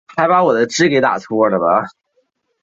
坦桑尼亚是世界上第二大生产国。